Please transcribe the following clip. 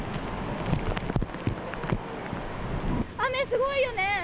雨、すごいよね。